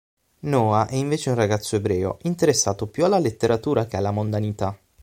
Noah è invece un ragazzo ebreo, interessato più alla letteratura che alla mondanità.